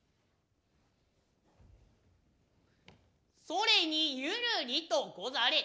それに寛りとござれ。